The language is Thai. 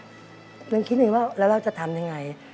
เรื่องคิดหนึ่งว่าแล้วเราจะทำยังไง